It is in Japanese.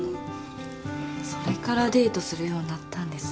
それからデートするようになったんですね。